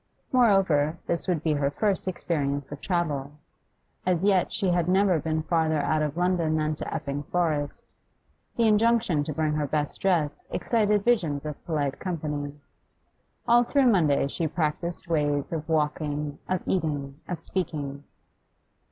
Moreover, this would be her first experience of travel; as yet she had never been farther out of London than to Epping Forest. The injunction to bring her best dress excited visions of polite company. All through Monday she practised ways of walking, of eating, of speaking.